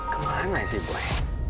ke mana sih boy